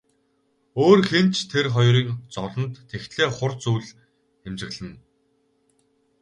Өөр хэн ч тэр хоёрын зовлонд тэгтлээ хурц үл эмзэглэнэ.